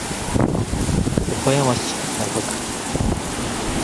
岡山市中区